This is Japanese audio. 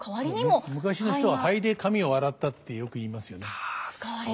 昔の人は灰で髪を洗ったってよく言いますよね。